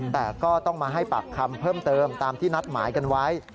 แต่ก็ต้องมาให้ปากคำเพิ่มเติมตามที่นัดหมายกันไว้